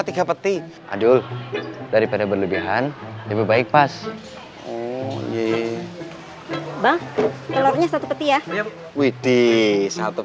tiga peti aduh daripada berlebihan lebih baik pas oh ye bang telurnya satu petia widih satu